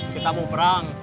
kita mau perang